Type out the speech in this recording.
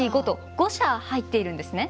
５社入っているんですね。